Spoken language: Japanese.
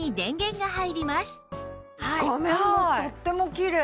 画面もとってもきれい。